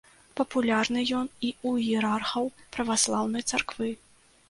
Папулярны ён і ў іерархаў праваслаўнай царквы.